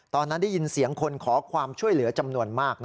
ตอนนั้นได้ยินเสียงคนขอความช่วยเหลือจำนวนมาก